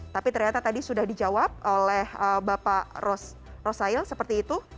tapi ternyata tadi sudah dijawab oleh bapak rosail seperti itu